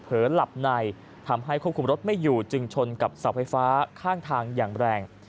หลับในทำให้ควบคุมรถไม่อยู่จึงชนกับเสาไฟฟ้าข้างทางอย่างแรง